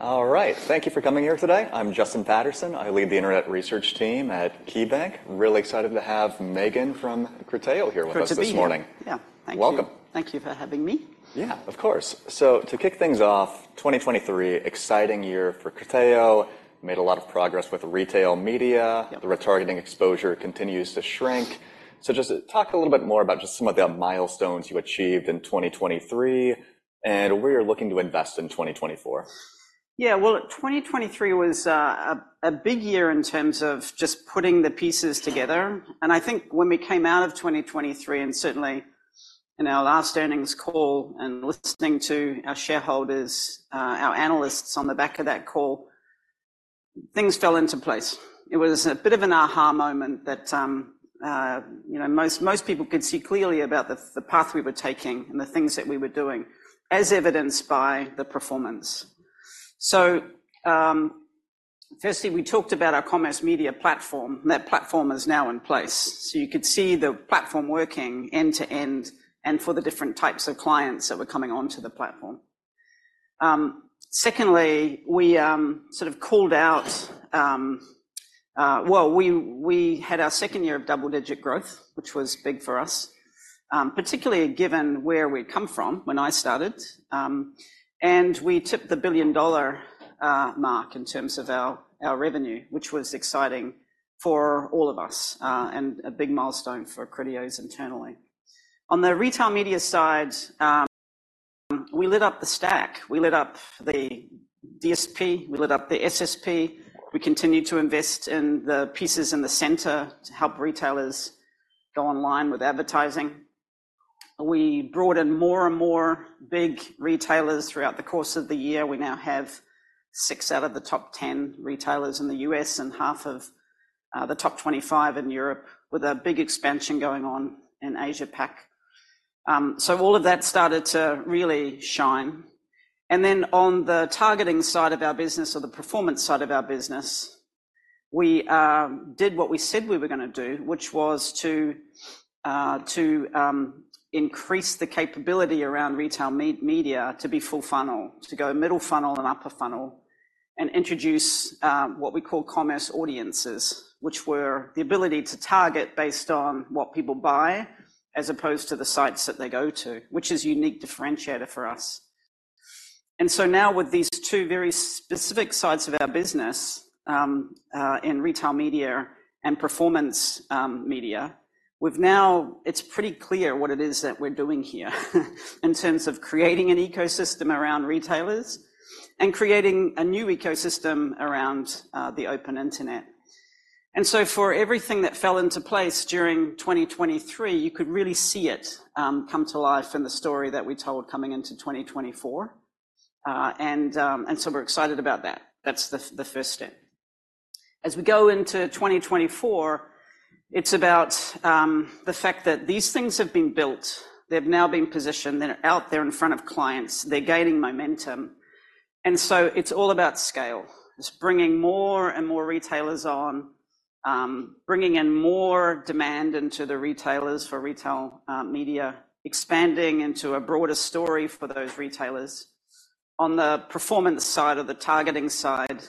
All right. Thank you for coming here today. I'm Justin Patterson. I lead the Internet Research Team at KeyBank. Really excited to have Megan from Criteo here with us this morning. Good to be here. Yeah. Thank you. Welcome. Thank you for having me. Yeah, of course. So to kick things off, 2023, exciting year for Criteo. Made a lot of progress with retail media. The retargeting exposure continues to shrink. So just talk a little bit more about just some of the milestones you achieved in 2023 and where you're looking to invest in 2024. Yeah. Well, 2023 was a big year in terms of just putting the pieces together. And I think when we came out of 2023 and certainly in our last earnings call and listening to our shareholders, our analysts on the back of that call, things fell into place. It was a bit of an aha moment that most people could see clearly about the path we were taking and the things that we were doing, as evidenced by the performance. So firstly, we talked about our Commerce Media Platform, and that platform is now in place. So you could see the platform working end to end and for the different types of clients that were coming onto the platform. Secondly, we sort of called out well, we had our second year of double-digit growth, which was big for us, particularly given where we'd come from when I started. We tipped the $1 billion mark in terms of our revenue, which was exciting for all of us and a big milestone for Criteo internally. On the retail media side, we lit up the stack. We lit up the DSP. We lit up the SSP. We continued to invest in the pieces in the center to help retailers go online with advertising. We brought in more and more big retailers throughout the course of the year. We now have 6 out of the top 10 retailers in the U.S. and half of the top 25 in Europe, with a big expansion going on in Asia Pac. All of that started to really shine. Then on the targeting side of our business, or the performance side of our business, we did what we said we were going to do, which was to increase the capability around retail media to be full funnel, to go middle funnel and upper funnel, and introduce what we call Commerce Audiences, which were the ability to target based on what people buy as opposed to the sites that they go to, which is a unique differentiator for us. So now with these two very specific sides of our business in retail media and performance media, it's pretty clear what it is that we're doing here in terms of creating an ecosystem around retailers and creating a new ecosystem around the open internet. And so for everything that fell into place during 2023, you could really see it come to life in the story that we told coming into 2024. And so we're excited about that. That's the first step. As we go into 2024, it's about the fact that these things have been built. They've now been positioned. They're out there in front of clients. They're gaining momentum. And so it's all about scale. It's bringing more and more retailers on, bringing in more demand into the retailers for retail media, expanding into a broader story for those retailers. On the performance side or the targeting side,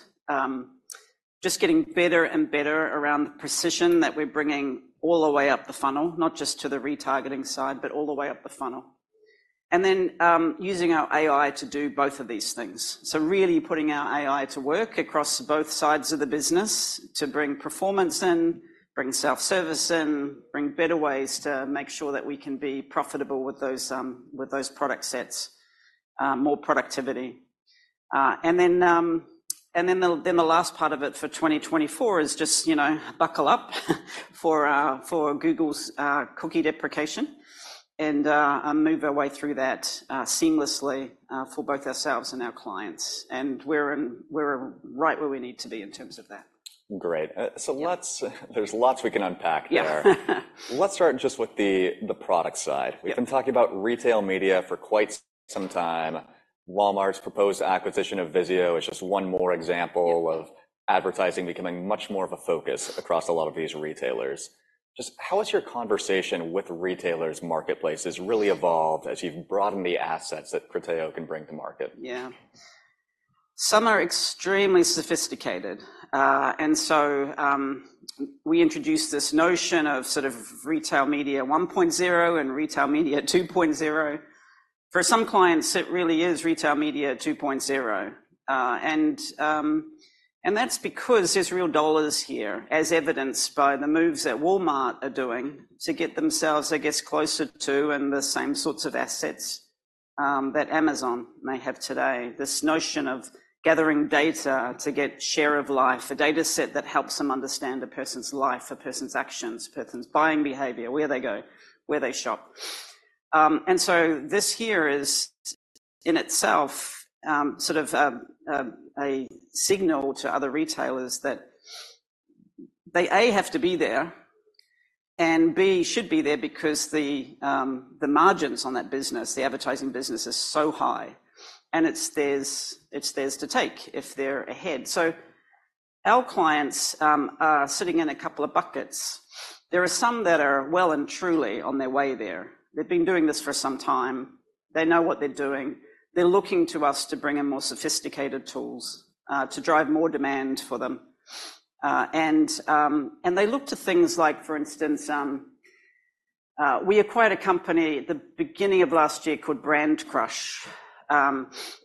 just getting better and better around the precision that we're bringing all the way up the funnel, not just to the retargeting side, but all the way up the funnel. And then using our AI to do both of these things. Really putting our AI to work across both sides of the business to bring performance in, bring self-service in, bring better ways to make sure that we can be profitable with those product sets, more productivity. Then the last part of it for 2024 is just buckle up for Google's cookie deprecation and move our way through that seamlessly for both ourselves and our clients. We're right where we need to be in terms of that. Great. There's lots we can unpack there. Let's start just with the product side. We've been talking about retail media for quite some time. Walmart's proposed acquisition of VIZIO is just one more example of advertising becoming much more of a focus across a lot of these retailers. Just how has your conversation with retailers' marketplaces really evolved as you've broadened the assets that Criteo can bring to market? Yeah. Some are extremely sophisticated. And so we introduced this notion of sort of retail media 1.0 and retail media 2.0. For some clients, it really is retail media 2.0. And that's because there's real dollars here, as evidenced by the moves that Walmart are doing to get themselves, I guess, closer to and the same sorts of assets that Amazon may have today. This notion of gathering data to get share of life, a dataset that helps them understand a person's life, a person's actions, a person's buying behavior, where they go, where they shop. And so this here is in itself sort of a signal to other retailers that they A, have to be there, and B, should be there because the margins on that business, the advertising business, is so high, and it's theirs to take if they're ahead. So our clients are sitting in a couple of buckets. There are some that are well and truly on their way there. They've been doing this for some time. They know what they're doing. They're looking to us to bring in more sophisticated tools to drive more demand for them. And they look to things like, for instance, we acquired a company at the beginning of last year called Brandcrush,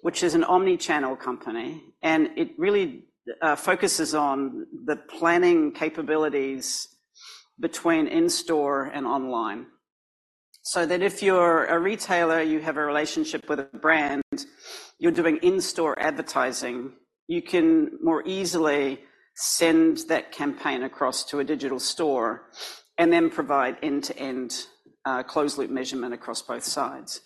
which is an omnichannel company, and it really focuses on the planning capabilities between in-store and online. So that if you're a retailer, you have a relationship with a brand, you're doing in-store advertising, you can more easily send that campaign across to a digital store and then provide end-to-end closed-loop measurement across both sides.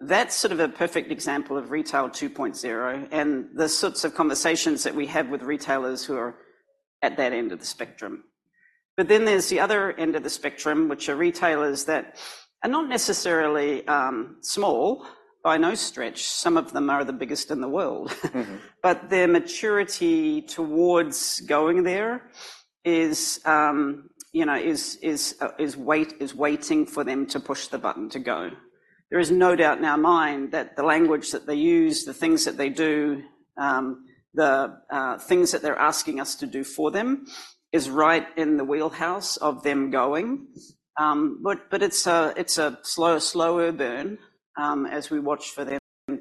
That's sort of a perfect example of retail 2.0 and the sorts of conversations that we have with retailers who are at that end of the spectrum. But then there's the other end of the spectrum, which are retailers that are not necessarily small by any stretch. Some of them are the biggest in the world. But their maturity towards going there is waiting for them to push the button to go. There is no doubt in our mind that the language that they use, the things that they do, the things that they're asking us to do for them is right in the wheelhouse of them going. But it's a slower burn as we watch for them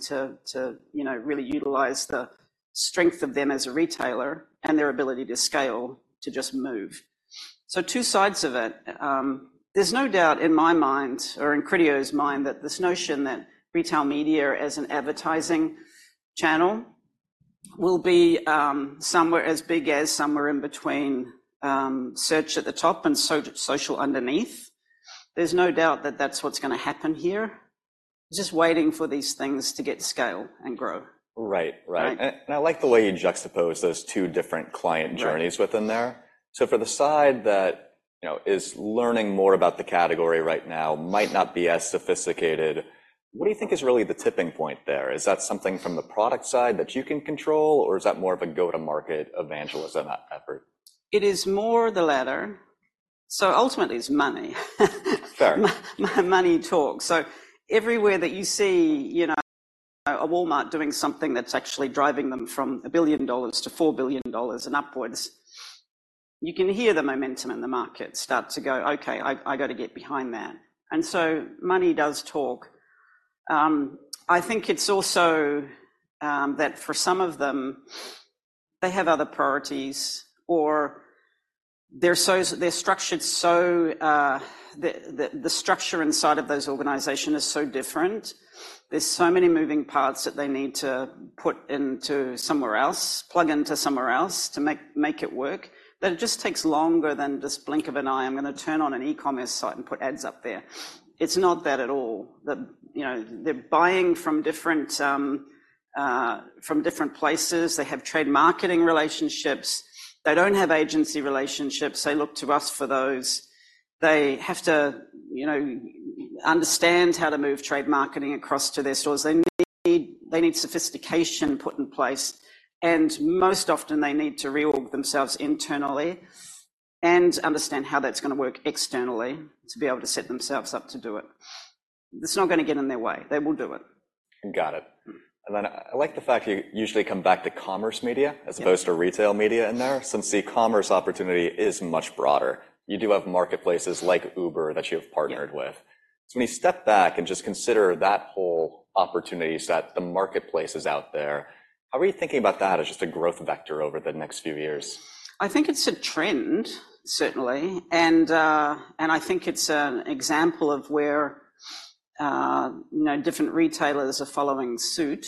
to really utilize the strength of them as a retailer and their ability to scale, to just move. So two sides of it. There's no doubt in my mind or in Criteo's mind that this notion that retail media as an advertising channel will be somewhere as big as somewhere in between search at the top and social underneath. There's no doubt that that's what's going to happen here. It's just waiting for these things to get scale and grow. Right, right. And I like the way you juxtapose those two different client journeys within there. So for the side that is learning more about the category right now, might not be as sophisticated, what do you think is really the tipping point there? Is that something from the product side that you can control, or is that more of a go-to-market evangelism effort? It is more the latter. So ultimately, it's money. Money talks. So everywhere that you see a Walmart doing something that's actually driving them from $1 billion to $4 billion and upwards, you can hear the momentum in the market start to go, "Okay, I got to get behind that." And so money does talk. I think it's also that for some of them, they have other priorities, or they're structured so the structure inside of those organizations is so different. There's so many moving parts that they need to put into somewhere else, plug into somewhere else to make it work, that it just takes longer than just blink of an eye. I'm going to turn on an e-commerce site and put ads up there. It's not that at all. They're buying from different places. They have trade marketing relationships. They don't have agency relationships. They look to us for those. They have to understand how to move trade marketing across to their stores. They need sophistication put in place. Most often, they need to reorg themselves internally and understand how that's going to work externally to be able to set themselves up to do it. It's not going to get in their way. They will do it. Got it. And then I like the fact you usually come back to commerce media as opposed to retail media in there since the commerce opportunity is much broader. You do have marketplaces like Uber that you have partnered with. So when you step back and just consider that whole opportunity set, the marketplaces out there, how are you thinking about that as just a growth vector over the next few years? I think it's a trend, certainly. I think it's an example of where different retailers are following suit,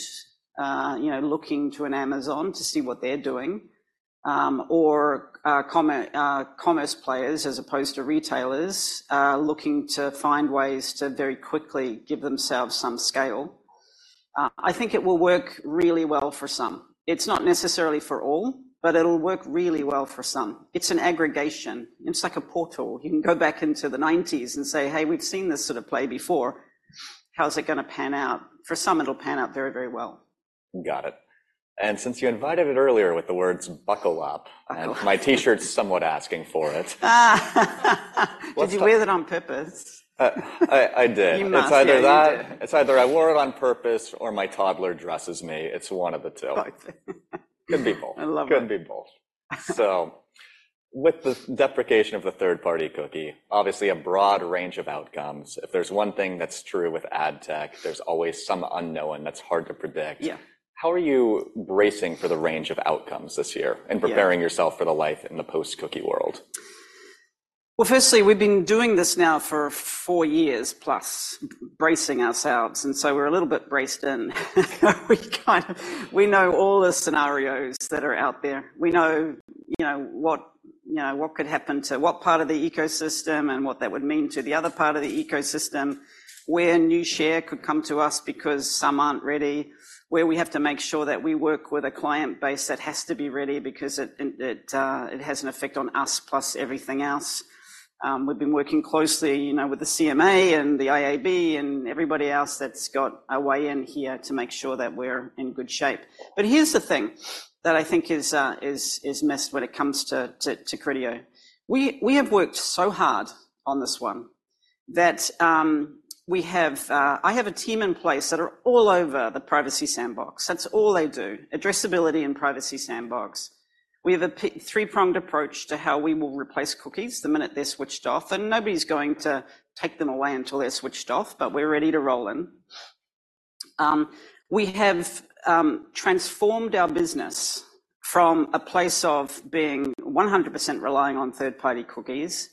looking to an Amazon to see what they're doing, or commerce players as opposed to retailers looking to find ways to very quickly give themselves some scale. I think it will work really well for some. It's not necessarily for all, but it'll work really well for some. It's an aggregation. It's like a portal. You can go back into the 1990s and say, "Hey, we've seen this sort of play before. How's it going to pan out?" For some, it'll pan out very, very well. Got it. Since you invited it earlier with the words "buckle up," my T-shirt's somewhat asking for it. Did you wear that on purpose? I did. It's either that. It's either I wore it on purpose or my toddler dresses me. It's one of the two. Could be both. Could be both. So with the deprecation of the third-party cookie, obviously, a broad range of outcomes. If there's one thing that's true with ad tech, there's always some unknown that's hard to predict. How are you bracing for the range of outcomes this year and preparing yourself for the life in the post-cookie world? Well, firstly, we've been doing this now for 4 years-plus, bracing ourselves. And so we're a little bit braced in. We know all the scenarios that are out there. We know what could happen to what part of the ecosystem and what that would mean to the other part of the ecosystem, where new share could come to us because some aren't ready, where we have to make sure that we work with a client base that has to be ready because it has an effect on us plus everything else. We've been working closely with the CMA and the IAB and everybody else that's got a way in here to make sure that we're in good shape. But here's the thing that I think is missed when it comes to Criteo. We have worked so hard on this one that I have a team in place that are all over the Privacy Sandbox. That's all they do: addressability and Privacy Sandbox. We have a three-pronged approach to how we will replace cookies the minute they're switched off. And nobody's going to take them away until they're switched off, but we're ready to roll in. We have transformed our business from a place of being 100% relying on third-party cookies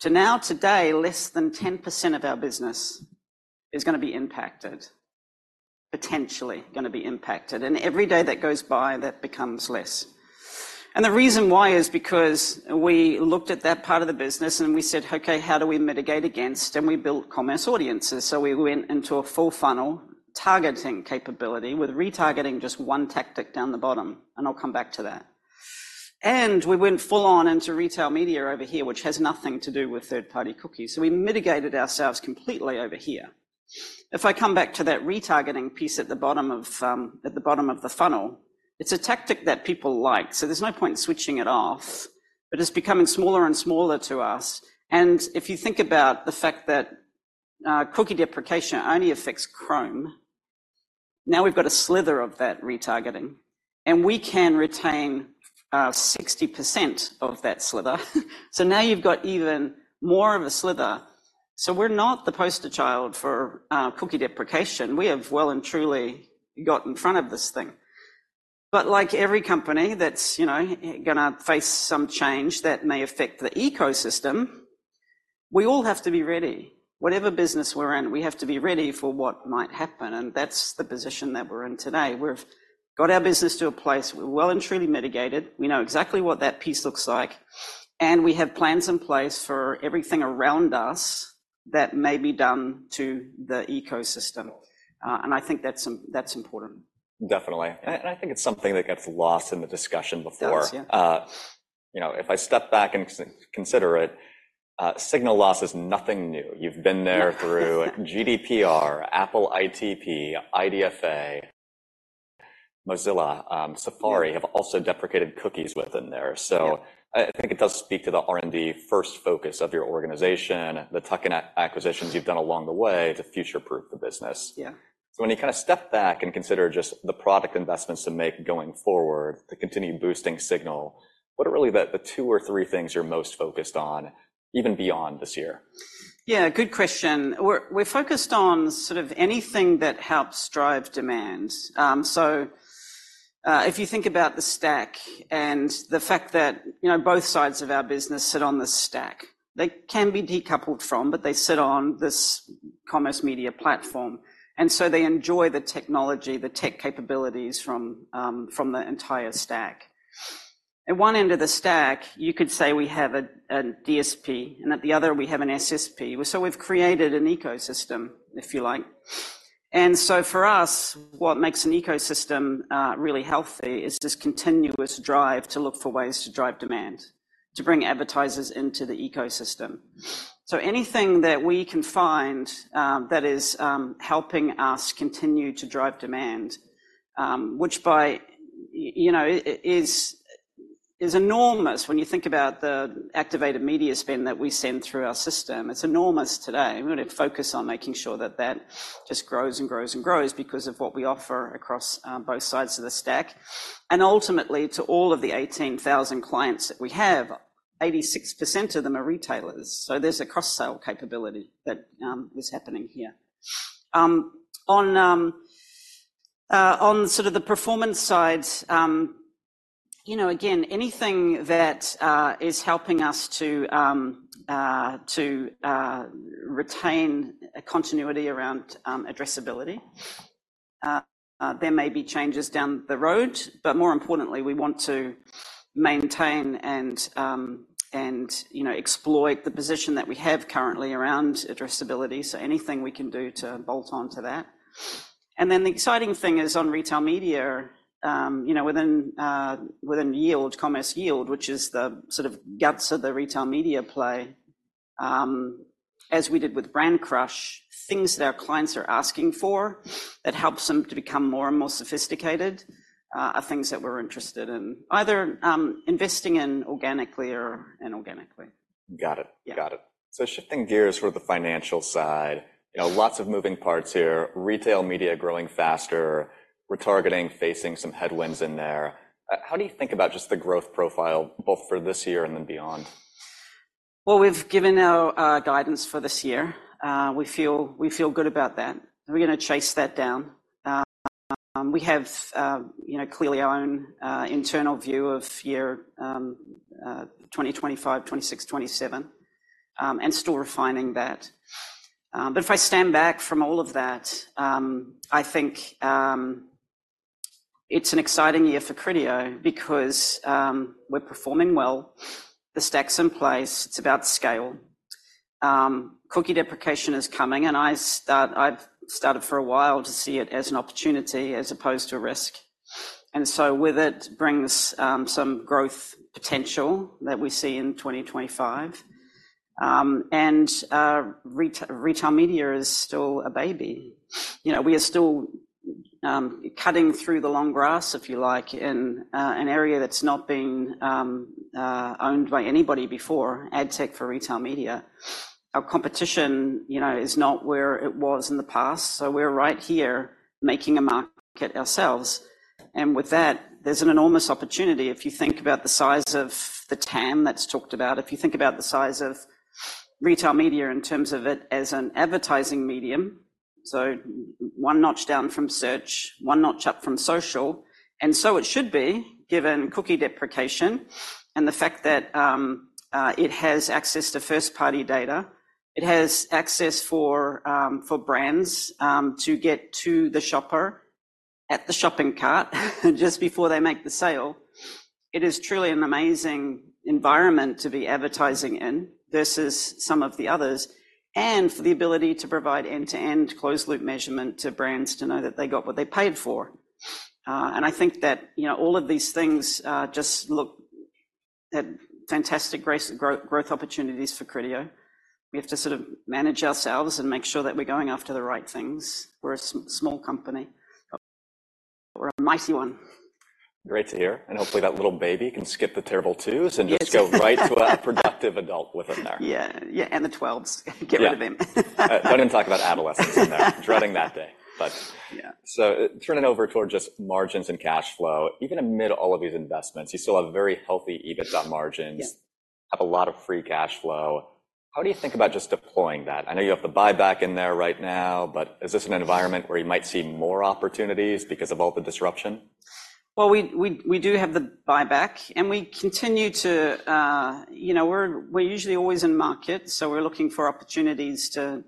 to now, today, less than 10% of our business is going to be impacted, potentially going to be impacted. And every day that goes by, that becomes less. And the reason why is because we looked at that part of the business and we said, "Okay, how do we mitigate against?" And we built Commerce Audiences. So we went into a full-funnel targeting capability with retargeting just one tactic down the bottom. And I'll come back to that. And we went full-on into Retail Media over here, which has nothing to do with third-party cookies. So we mitigated ourselves completely over here. If I come back to that retargeting piece at the bottom of the funnel, it's a tactic that people like. So there's no point switching it off. But it's becoming smaller and smaller to us. And if you think about the fact that cookie deprecation only affects Chrome, now we've got a sliver of that retargeting. And we can retain 60% of that sliver. So now you've got even more of a sliver. So we're not the poster child for cookie deprecation. We have well and truly got in front of this thing. But like every company that's going to face some change that may affect the ecosystem, we all have to be ready. Whatever business we're in, we have to be ready for what might happen. And that's the position that we're in today. We've got our business to a place we're well and truly mitigated. We know exactly what that piece looks like. And we have plans in place for everything around us that may be done to the ecosystem. And I think that's important. Definitely. I think it's something that gets lost in the discussion before. If I step back and consider it, signal loss is nothing new. You've been there through GDPR, Apple ITP, IDFA, Mozilla, Safari have also deprecated cookies within there. So I think it does speak to the R&D-first focus of your organization, the tuck-in acquisitions you've done along the way to future-proof the business. So when you kind of step back and consider just the product investments to make going forward to continue boosting signal, what are really the two or three things you're most focused on, even beyond this year? Yeah, good question. We're focused on sort of anything that helps drive demand. So if you think about the stack and the fact that both sides of our business sit on the stack, they can be decoupled from, but they sit on this Commerce Media Platform. And so they enjoy the technology, the tech capabilities from the entire stack. At one end of the stack, you could say we have a DSP, and at the other, we have an SSP. So we've created an ecosystem, if you like. And so for us, what makes an ecosystem really healthy is this continuous drive to look for ways to drive demand, to bring advertisers into the ecosystem. So anything that we can find that is helping us continue to drive demand, which is enormous when you think about the activated media spend that we send through our system, it's enormous today. We want to focus on making sure that that just grows and grows and grows because of what we offer across both sides of the stack. And ultimately, to all of the 18,000 clients that we have, 86% of them are retailers. So there's a cross-sell capability that is happening here. On sort of the performance side, again, anything that is helping us to retain a continuity around addressability, there may be changes down the road. But more importantly, we want to maintain and exploit the position that we have currently around addressability. So anything we can do to bolt onto that. And then the exciting thing is on Retail Media, within yield, Commerce Yield, which is the sort of guts of the Retail Media play, as we did with Brandcrush, things that our clients are asking for that help them to become more and more sophisticated are things that we're interested in, either investing in organically or inorganically. Got it. Got it. So shifting gears for the financial side, lots of moving parts here, retail media growing faster, retargeting facing some headwinds in there. How do you think about just the growth profile, both for this year and then beyond? Well, we've given our guidance for this year. We feel good about that. We're going to chase that down. We have clearly our own internal view of year 2025, 2026, 2027, and still refining that. But if I stand back from all of that, I think it's an exciting year for Criteo because we're performing well. The stack's in place. It's about scale. Cookie deprecation is coming. And I've started for a while to see it as an opportunity as opposed to a risk. And so with it brings some growth potential that we see in 2025. And retail media is still a baby. We are still cutting through the long grass, if you like, in an area that's not been owned by anybody before, ad tech for retail media. Our competition is not where it was in the past. So we're right here making a market ourselves. And with that, there's an enormous opportunity if you think about the size of the TAM that's talked about, if you think about the size of retail media in terms of it as an advertising medium, so one notch down from search, one notch up from social. And so it should be, given cookie deprecation and the fact that it has access to first-party data, it has access for brands to get to the shopper at the shopping cart just before they make the sale. It is truly an amazing environment to be advertising in versus some of the others and for the ability to provide end-to-end closed-loop measurement to brands to know that they got what they paid for. And I think that all of these things just look at fantastic growth opportunities for Criteo. We have to sort of manage ourselves and make sure that we're going after the right things. We're a small company. We're a mighty one. Great to hear. And hopefully, that little baby can skip the terrible twos and just go right to a productive adult with them there. Yeah. Yeah. And the 12s. Get rid of them. Don't even talk about adolescents in there. Dreading that day. Turning over toward just margins and cash flow, even amid all of these investments, you still have very healthy EBITDA margins, have a lot of free cash flow. How do you think about just deploying that? I know you have the buyback in there right now, but is this an environment where you might see more opportunities because of all the disruption? Well, we do have the buyback. And we continue to. We're usually always in market. So we're looking for opportunities to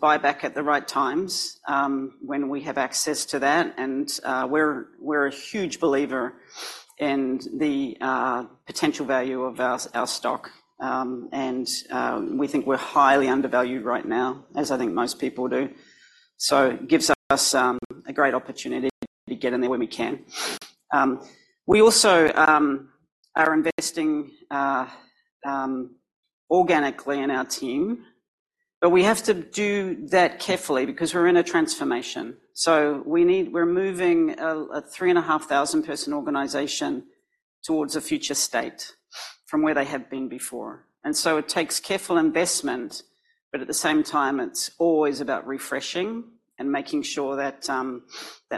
buy back at the right times when we have access to that. And we're a huge believer in the potential value of our stock. And we think we're highly undervalued right now, as I think most people do. So it gives us a great opportunity to get in there when we can. We also are investing organically in our team. But we have to do that carefully because we're in a transformation. So we're moving a 3,500-person organization towards a future state from where they have been before. And so it takes careful investment. But at the same time, it's always about refreshing and making sure that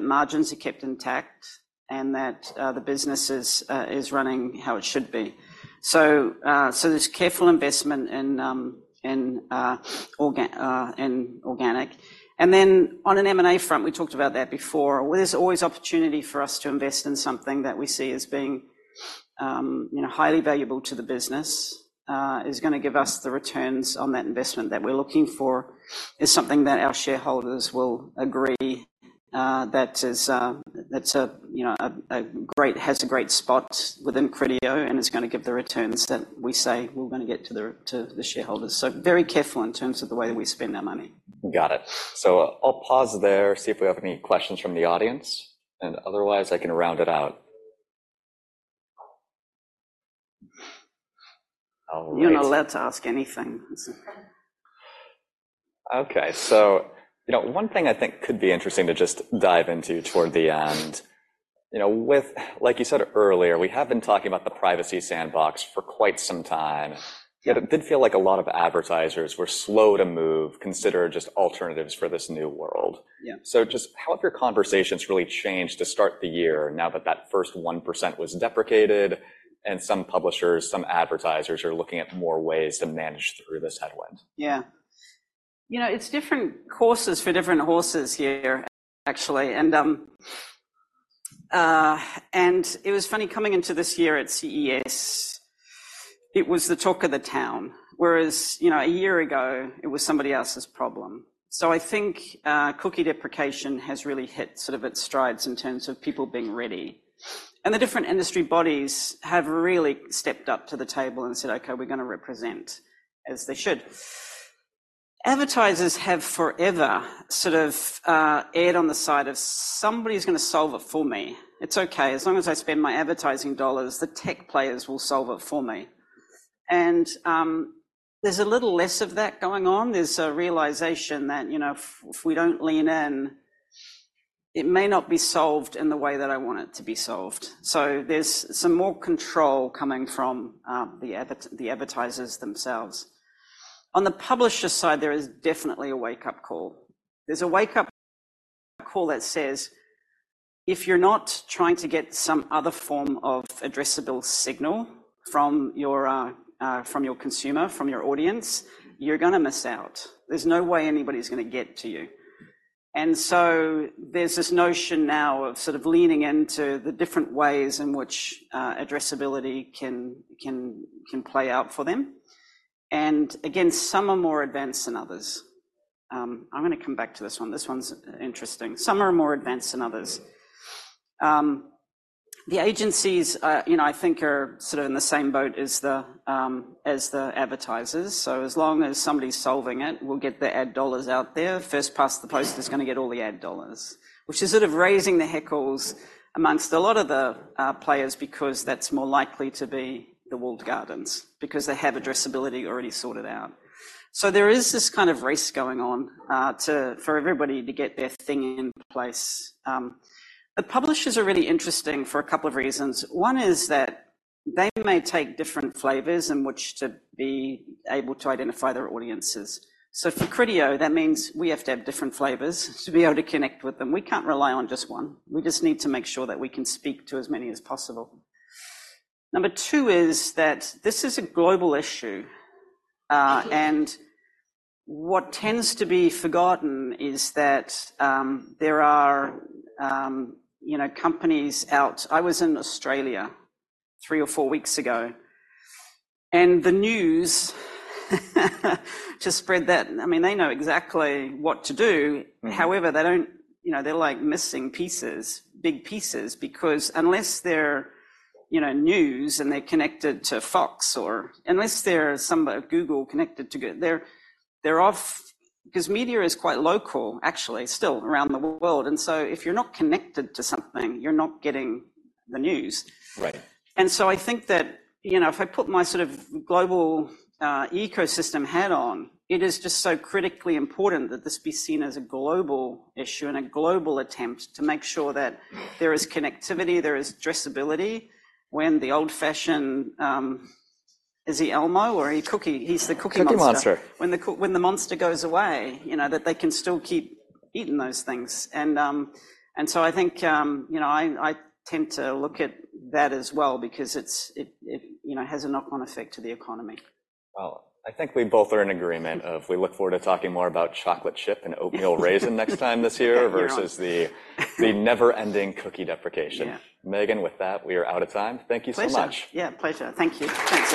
margins are kept intact and that the business is running how it should be. So there's careful investment in organic. On an M&A front, we talked about that before. There's always opportunity for us to invest in something that we see as being highly valuable to the business, is going to give us the returns on that investment that we're looking for, is something that our shareholders will agree that has a great spot within Criteo and is going to give the returns that we say we're going to get to the shareholders. Very careful in terms of the way that we spend our money. Got it. So I'll pause there, see if we have any questions from the audience. And otherwise, I can round it out. You're not allowed to ask anything. Okay. So one thing I think could be interesting to just dive into toward the end, like you said earlier, we have been talking about the Privacy Sandbox for quite some time. It did feel like a lot of advertisers were slow to move, consider just alternatives for this new world. So just how have your conversations really changed to start the year now that that first 1% was deprecated and some publishers, some advertisers are looking at more ways to manage through this headwind? Yeah. It's different courses for different horses here, actually. And it was funny coming into this year at CES. It was the talk of the town, whereas a year ago, it was somebody else's problem. So I think cookie deprecation has really hit sort of its strides in terms of people being ready. And the different industry bodies have really stepped up to the table and said, "Okay, we're going to represent as they should." Advertisers have forever sort of erred on the side of, "Somebody's going to solve it for me. It's okay. As long as I spend my advertising dollars, the tech players will solve it for me." And there's a little less of that going on. There's a realization that if we don't lean in, it may not be solved in the way that I want it to be solved. So there's some more control coming from the advertisers themselves. On the publisher side, there is definitely a wake-up call. There's a wake-up call that says, "If you're not trying to get some other form of addressable signal from your consumer, from your audience, you're going to miss out. There's no way anybody's going to get to you." And so there's this notion now of sort of leaning into the different ways in which addressability can play out for them. And again, some are more advanced than others. I'm going to come back to this one. This one's interesting. Some are more advanced than others. The agencies, I think, are sort of in the same boat as the advertisers. So as long as somebody's solving it, we'll get the ad dollars out there. First past the post is going to get all the ad dollars, which is sort of raising the hackles amongst a lot of the players because that's more likely to be the walled gardens because they have addressability already sorted out. So there is this kind of race going on for everybody to get their thing in place. The publishers are really interesting for a couple of reasons. One is that they may take different flavors in which to be able to identify their audiences. So for Criteo, that means we have to have different flavors to be able to connect with them. We can't rely on just one. We just need to make sure that we can speak to as many as possible. Number two is that this is a global issue. What tends to be forgotten is that there are companies out. I was in Australia 3 or 4 weeks ago. And the news doesn't spread that, I mean, they know exactly what to do. However, they're missing pieces, big pieces, because unless they're news and they're connected to Fox or unless they're somewhere at Google connected to, they're off because media is quite local, actually, still around the world. And so if you're not connected to something, you're not getting the news. And so I think that if I put my sort of global ecosystem hat on, it is just so critically important that this be seen as a global issue and a global attempt to make sure that there is connectivity, there is addressability when the old-fashioned email or HTTP cookie? He's the Cookie Monster. Cookie Monster. When the monster goes away, that they can still keep eating those things. So I think I tend to look at that as well because it has a knock-on effect to the economy. Well, I think we both are in agreement of we look forward to talking more about chocolate chip and oatmeal raisin next time this year versus the never-ending cookie deprecation. Megan, with that, we are out of time. Thank you so much. Pleasure. Yeah. Pleasure. Thank you. Thanks.